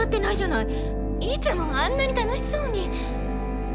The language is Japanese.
いつもあんなに楽しそうに。